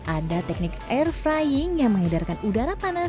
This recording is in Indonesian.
ada teknik air frying yang menghidarkan udara panas